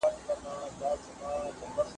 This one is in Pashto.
ماشوم د غونډۍ له سره د انارګل د بریا ننداره کوله.